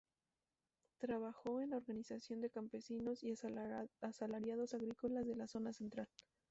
Trabajó en la organización de campesinos y asalariados agrícolas de la zona central.